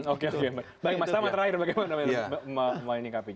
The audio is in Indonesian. oke oke baik mas sama terakhir bagaimana namanya mbak malini kapi